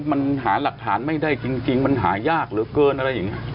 มันหาหลักฐานไม่ได้จริงมันหายากเหลือเกินอะไรอย่างนี้